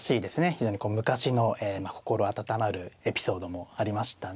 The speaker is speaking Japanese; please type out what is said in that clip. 非常にこう昔の心温まるエピソードもありましたね。